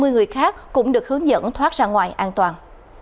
hai mươi người khác cũng được hướng dẫn thoát ra ngoài an toàn